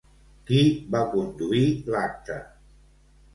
Qui va conduir l'acte?